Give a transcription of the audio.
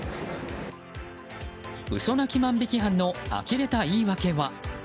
嘘泣き万引き犯のあきれた言い訳は。